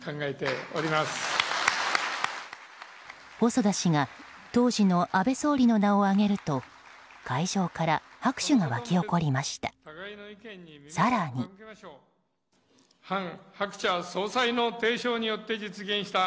細田氏が当時の安倍総理の名を挙げると会場から拍手が沸き起こりました。